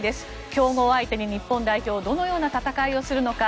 強豪相手に日本代表はどのような戦いをするのか。